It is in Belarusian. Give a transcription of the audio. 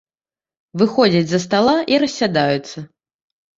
Выходзяць з-за стала і рассядаюцца.